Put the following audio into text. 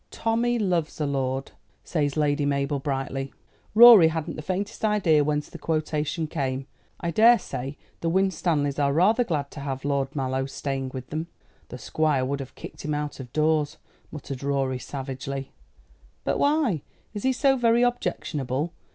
"'Tommy loves a lord,'" says Lady Mabel brightly. Rorie hadn't the faintest idea whence the quotation came. "I daresay the Winstanleys are rather glad to have Lord Mallow staying with them." "The Squire would have kicked him out of doors," muttered Rorie savagely. "But why? Is he so very objectionable?